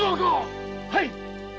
はい！